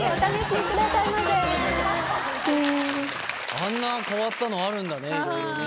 あんな変わったのあるんだねいろいろね。